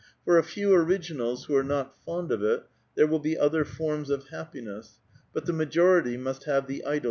*' For a few originals who are not fond of it there will be other forms of happiness ; but the majority must have the idyl.